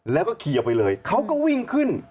แล้วก็ขี่ออกไปเลยเขาก็วิ่งขึ้น